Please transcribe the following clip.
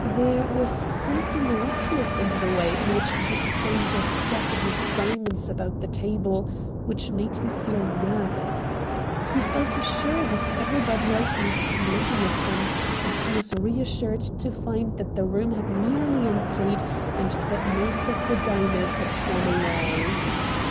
There was something reckless in the way in which the stranger scattered his diamonds about the table, which made him feel nervous. He felt sure that everybody else must be looking at them, and he was reassured to find that the room had nearly emptied and that most of the diners had gone away.